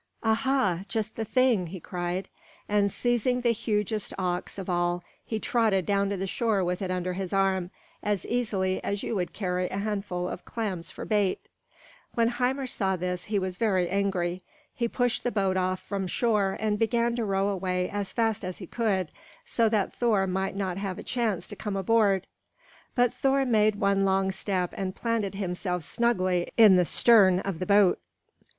"Aha! just the thing!" he cried; and seizing the hugest ox of all, he trotted down to the shore with it under his arm, as easily as you would carry a handful of clams for bait. When Hymir saw this, he was very angry. He pushed the boat off from shore and began to row away as fast as he could, so that Thor might not have a chance to come aboard. But Thor made one long step and planted himself snugly in the stern of the boat.